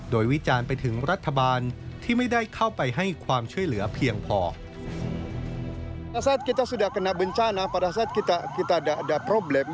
โดยวิจารณ์ไปถึงรัฐบาลที่ไม่ได้เข้าไปให้ความช่วยเหลือเพียงพอ